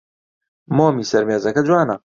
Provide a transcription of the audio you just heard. مۆمی سەر مێزەکە جوانە.